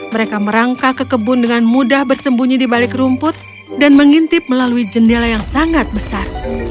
mereka merangkak ke kebun dengan mudah bersembunyi di balik rumput dan mengintip melalui jendela yang sangat besar